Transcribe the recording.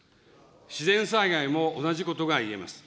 自然災害も同じことが言えます。